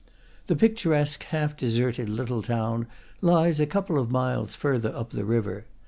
The picturesque, half deserted little town lies a couple of miles further up the river.